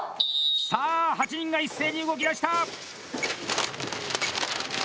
さあ８人が一斉に動きだした！